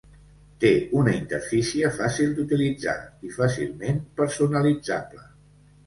Té una interfície fàcil d'utilitzar i fàcilment personalitzable.